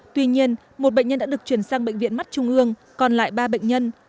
tuy nhiên một bệnh nhân đã được chuyển sang bệnh viện mắt trung ương còn lại ba bệnh nhân